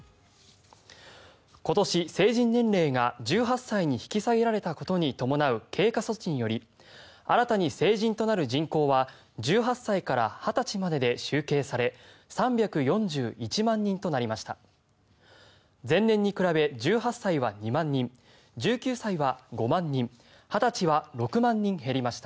今年、成人年齢が１８歳に引き下げられたことに伴う経過措置により新たに成人となる人口は１８歳から２０歳までで集計され３４１万人となりました。